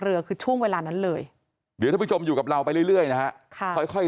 เรือคือช่วงเวลานั้นเลยอยู่กับเราไปเรื่อยนะค่ะค่อย